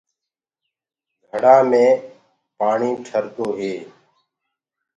گھڙآ مي پآڻيٚ ٺردو هي